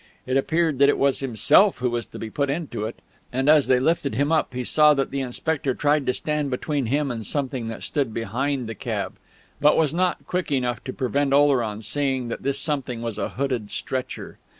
It appeared that it was himself who was to be put into it; and as they lifted him up he saw that the inspector tried to stand between him and something that stood behind the cab, but was not quick enough to prevent Oleron seeing that this something was a hooded stretcher.